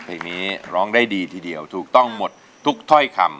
เพลงนี้ร้องได้ดีทีเดียวถูกต้องหมดทุกถ้อยคำ